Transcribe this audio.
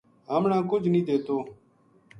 ہمنا کُجھ نیہہ دیتو